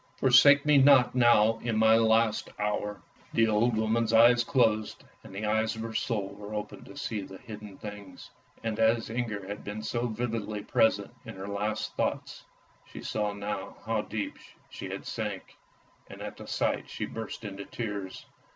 Forsake me not now in my last hour! " THE GIRL WHO TROD ON A LOAF 125 The old woman's eyes closed, and the eyes of her soul were opened to see the hidden things, and as Inger had been so vividly present in her last thoughts, she saw now how deep she had sank; and at the sight she burst into tears.